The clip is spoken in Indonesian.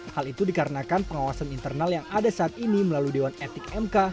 hal itu dikarenakan pengawasan internal yang ada saat ini melalui dewan etik mk